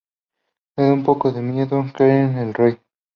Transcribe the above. Le da un poco de miedo Kraken, el rey.